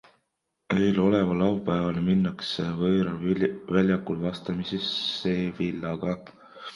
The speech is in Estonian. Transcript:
Eeloleval laupäeval minnakse võõral väljakul vastamisi Sevillaga.